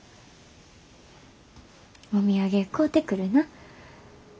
お土産買うてくるな。